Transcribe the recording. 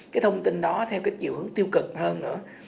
cái thông tin đó theo cái chiều hướng tiêu cực hơn nữa